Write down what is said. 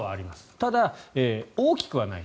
ただ、大きくはないと。